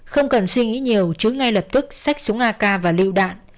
không cần suy nghĩ nhiều chứ ngay lập tức sách xuống ak và lựu đạn